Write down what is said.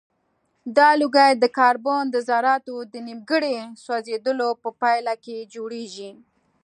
دا لوګی د کاربن د ذراتو د نیمګړي سوځیدلو په پایله کې جوړیږي.